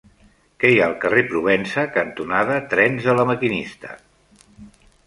Què hi ha al carrer Provença cantonada Trens de La Maquinista?